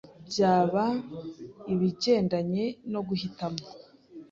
byaba ibigendanye no guhitamo